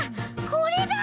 これだ！